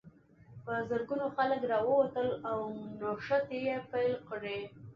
په زرګونو خلک راووتل او نښتې یې پیل کړې.